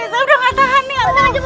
saya udah nggak tahan nih